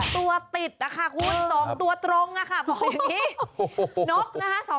๒ตัวติดค่ะคุณ๒ตัวตรงค่ะบอกอย่างนี้